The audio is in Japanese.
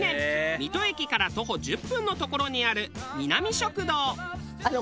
水戸駅から徒歩１０分の所にあるミナミ食堂。